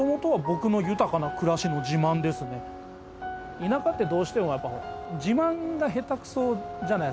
田舎ってどうしてもやっぱ自慢が下手くそじゃないですか。